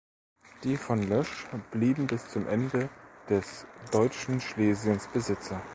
Die von Lösch blieben bis zum Ende des deutschen Schlesiens Besitzer.